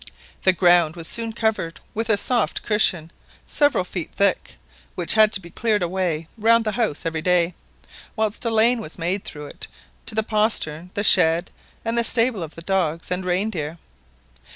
The ground was soon covered with a soft cushion several feet thick, which had to be cleared away round the house every day, whilst a lane was made through it to the postern, the shed, and the stable of the dogs and rein deer.